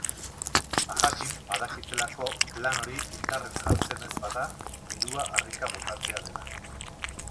Ba jakin badakitelako plan hori indarren jartzen ez bada dirua harrika botatzea dela.